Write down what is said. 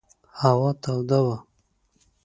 هوا توده وه.